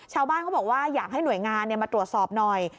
ชาวบ้านเขาบอกว่าอยากให้หน่วยงานมาตรวจสอบหน่อย